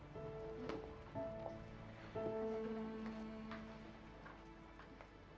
ini rani dia mau ketemu sama luna